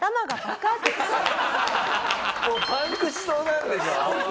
もうパンクしそうなんでしょ？